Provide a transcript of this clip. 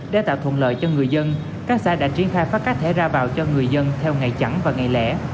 để tạo thuận lợi cho người dân các xã đã triển khai phát các thẻ ra vào cho người dân theo ngày chẳng và ngày lễ